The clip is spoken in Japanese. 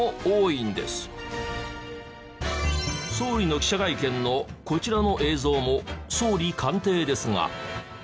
総理の記者会見のこちらの映像も総理官邸ですが。